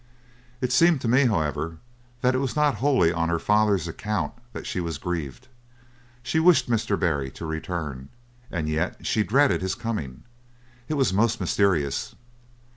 "It seemed to me, however, that it was not wholly on her father's account that she was grieved. She wished Mr. Barry to return, and yet she dreaded his coming. It was most mysterious.